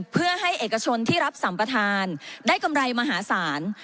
เพื่อให้เอกชนที่รับสัมปทานได้กำไรมหาศาล